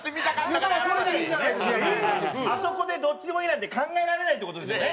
あそこで「どっちでもいい」なんて考えられないって事ですよね？